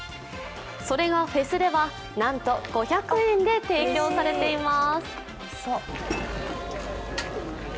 それがフェスでは、なんと５００円で提供されています。